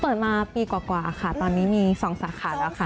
เปิดมาปีกว่าค่ะตอนนี้มี๒สาขาแล้วค่ะ